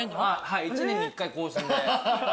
はい１年に１回更新で。